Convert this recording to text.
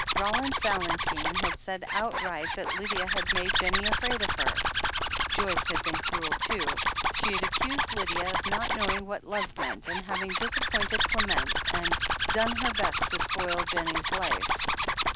Roland Valentine had said outright that Lydia had made Jennie afraid of her. Joyce had been cruel, too. She had accused Lydia of not knowing what love meant — of having disappointed Qement, and done her best to spoil Jennie's life.